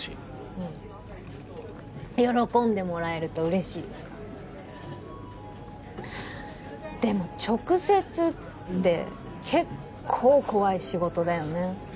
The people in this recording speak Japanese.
うん喜んでもらえると嬉しいでも直接って結構怖い仕事だよね